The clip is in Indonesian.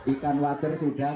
ikan water sudah